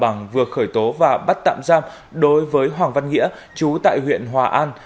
bằng vừa khởi tố và bắt tạm giam đối với hoàng văn nghĩa chú tại huyện hòa an